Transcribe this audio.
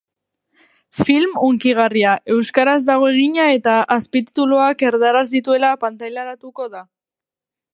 Film hunkigarria, euskaraz dago egina eta azpitituluak erdaraz dituela pantailaratuko da.